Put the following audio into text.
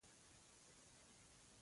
ذهني سکون د رواني صحت لپاره ضروري دی.